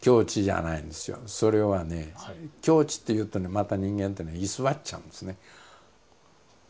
それはね境地っていうとねまた人間ってね居座っちゃうんですね。